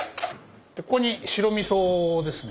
ここに白みそですね。